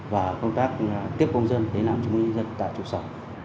và công tác tiếp công dân để làm chứng minh nhân dân tại trụ sở